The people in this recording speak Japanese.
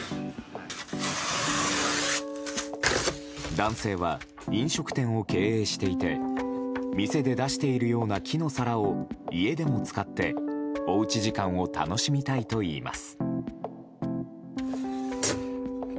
男性は、飲食店を経営していて店で出しているような木の皿を家でも使っておうち時間を楽しみたいといいます。